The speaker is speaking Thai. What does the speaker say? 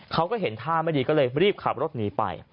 เขาก็เห็นท่าไม่ดีก็เลยรีบขับรถหนีไป